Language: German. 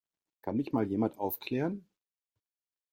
Kann mich mal jemand aufklären?